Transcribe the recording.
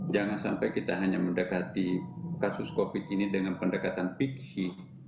jangan sampai kita hanya mendekati kasus covid ini dengan pendekatan fiksi